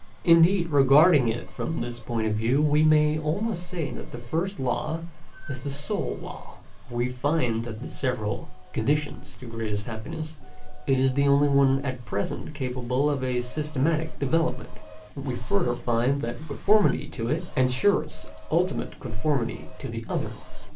Indeed, regarding it from this point of view, we may almost say that the first law is the sole law ; for we find that of the several conditions to greatest happiness it is the only one at present capable of a systematic development; and we further find that conformity to it, ensures ultimate conformity to the others.